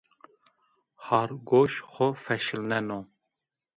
Hargûş xo feşelneno